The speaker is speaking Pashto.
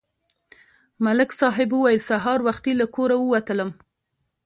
ملک صاحب وویل: سهار وختي له کوره ووتلم